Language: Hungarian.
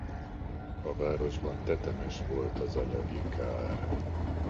A városban tetemes volt az anyagi kár.